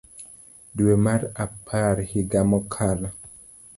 dwe mar April higa mokalo.